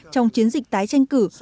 trong chiến dịch tái tranh cử